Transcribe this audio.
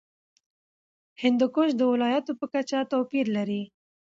هندوکش د ولایاتو په کچه توپیر لري.